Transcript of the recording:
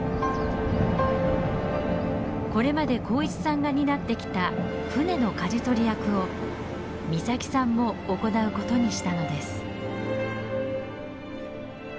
これまで幸一さんが担ってきた船の舵取り役を岬さんも行うことにしたのです。